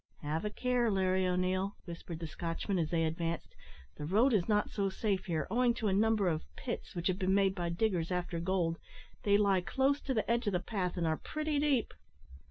"Have a care, Larry O'Neil," whispered the Scotchman, as they advanced; "the road is not so safe here, owing to a number of pits which have been made by diggers after gold they lie close to the edge of the path, and are pretty deep."